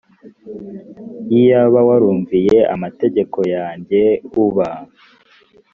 iyaba warumviye amategeko yanjye uba